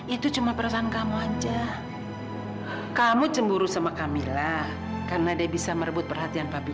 itu cuma perasaan kamu aja kamu cemburu sama kamilah karena dia bisa merebut perhatian publik